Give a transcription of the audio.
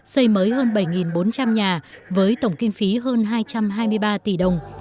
xây mới hơn bảy bốn trăm linh nhà với tổng kinh phí hơn hai trăm hai mươi ba tỷ đồng